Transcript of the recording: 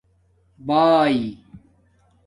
بآِئ